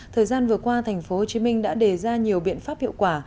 thời gian vừa qua tp hcm đã đề ra nhiều biện pháp hiệu quả